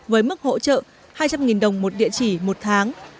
với mức hỗ trợ hai trăm linh đồng một địa chỉ một tháng